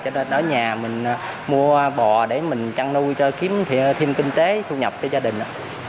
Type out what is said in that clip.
cho nên ở nhà mình mua bò để mình chăn nuôi cho kiếm thêm kinh tế thu nhập cho gia đình